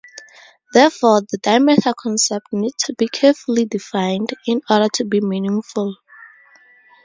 Therefore, the diameter concept needs to be carefully defined in order to be meaningful.